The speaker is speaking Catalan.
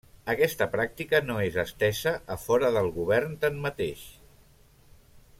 Aquesta pràctica no és estesa a fora del govern, tanmateix.